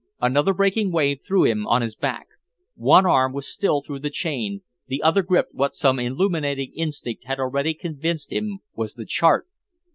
Another breaking wave threw him on his back. One arm was still through the chain, the other gripped what some illuminating instinct had already convinced him was the chart!